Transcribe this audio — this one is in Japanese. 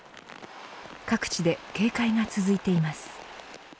各地で警戒が続いています。